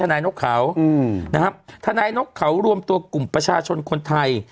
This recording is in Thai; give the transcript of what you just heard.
นายนกเขานะครับทนายนกเขารวมตัวกลุ่มประชาชนคนไทย